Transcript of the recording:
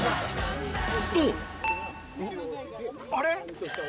とあれ？